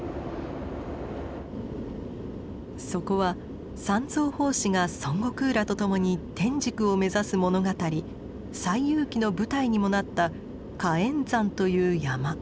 そこは三蔵法師が孫悟空らと共に天竺を目指す物語「西遊記」の舞台にもなった火焔山という山。